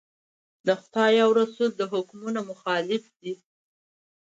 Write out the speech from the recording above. د خدای او رسول د حکمونو مخالف دي.